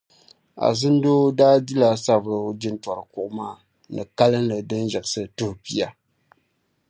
Azindoo daa dila Savulugu jintɔri kuɣa maa ni kalinli din yiɣisi tuh' pia.